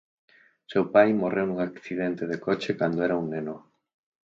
Seu pai morreu nun accidente de coche cando era un neno.